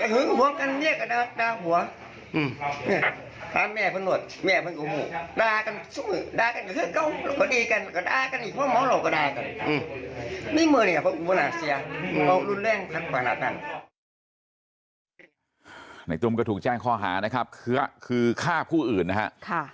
ในตุ้มก็ถูกแจ้งข้อหานะครับคือฆ่าผู้อื่นนะฮะ